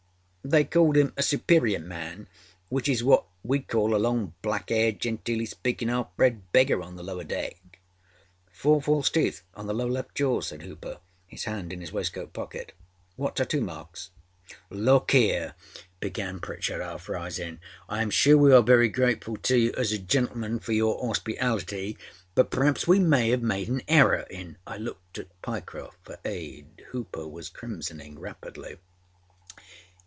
â They called âim a superior man which is what weâd call a long, black âaired, genteely speakinâ, âalf bred beggar on the lower deck.â âFour false teeth on the lower left jaw,â said Hooper, his hand in his waistcoat pocket. âWhat tattoo marks?â âLook here,â began Pritchard, half rising. âIâm sure weâre very grateful to you as a gentleman for your âorspitality, but perâaps we may âave made an error inââ I looked at Pyecroft for aid, Hooper was crimsoning rapidly.